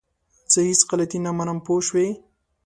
زه هيڅ غلطي نه منم! پوه شوئ!